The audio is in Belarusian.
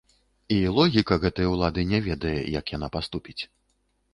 І логіка гэтай улады не ведае, як яна паступіць.